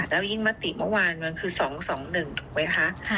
และยิ่งมัตติเมื่อวานคือ๒๒๑ถูกไหมคะ